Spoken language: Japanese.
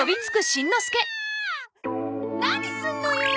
何すんのよ！